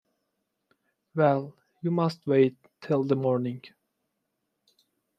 Well, you must wait till the morning.